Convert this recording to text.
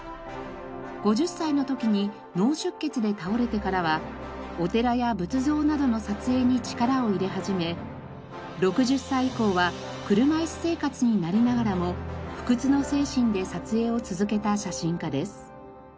５０歳の時に脳出血で倒れてからはお寺や仏像などの撮影に力を入れ始め６０歳以降は車椅子生活になりながらも不屈の精神で撮影を続けた写真家です。